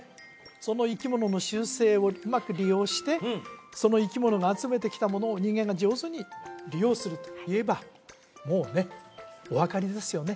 その生き物の習性をうまく利用してその生き物が集めてきたものを人間が上手に利用するといえばもうねお分かりですよね？